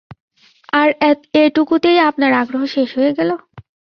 আর এটুকুতেই আপনার আগ্রহ শেষ হয়ে গেল?